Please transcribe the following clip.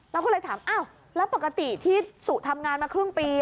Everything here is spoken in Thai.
เราก็เลยถามอ้าวแล้วปกติที่สุทำงานมาครึ่งปี